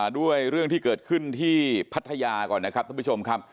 ด้วยเรื่องที่เกิดขึ้นที่พัทยาก่อนนะครับท่านผู้ชมครับ